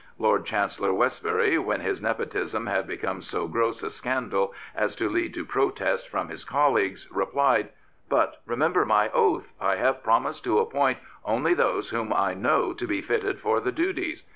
Lord Chancellor Westbury, when his nepotism had become so gross a scandal as to lead to protest from his colleagues, replied, " But remember my oath. I have promised to appoint only those whom I know to be fitted for the duties.